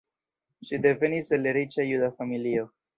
Ŝi devenis el riĉa juda familio.